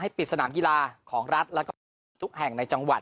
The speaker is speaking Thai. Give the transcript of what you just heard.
ปิดสนามกีฬาของรัฐแล้วก็ทุกแห่งในจังหวัด